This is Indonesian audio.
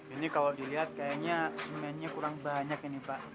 ini kalau dilihat kayaknya semennya kurang banyak ini pak